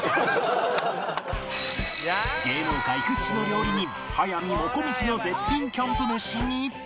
芸能界屈指の料理人速水もこみちの絶品キャンプ飯に